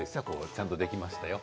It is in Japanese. ちゃんとできましたよ。